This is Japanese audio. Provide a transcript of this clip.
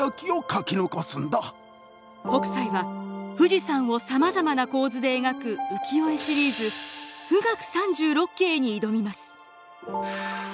北斎は富士山をさまざまな構図で描く浮世絵シリーズ「冨嶽三十六景」に挑みます。